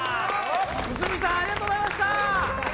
内海さん、ありがとうございました。